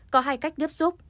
có hai cách tiếp xúc